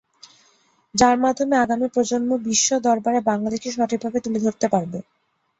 যার মাধ্যমে আগামী প্রজন্ম বিশ্ব দরবারে বাংলাদেশকে সঠিকভাবে তুলে ধরতে পারবে।